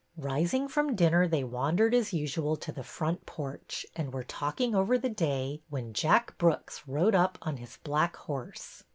Rising from dinner they wandered as usual THE AUCTION 147 to the front porch and were talking over the day, when Jack Brooks rode np on his black horse.